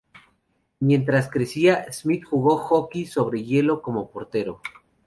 Mientras crecía, Smith jugó Hockey sobre hielo como portero.